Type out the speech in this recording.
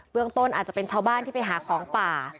ต้นอาจจะเป็นชาวบ้านที่ไปหาของป่า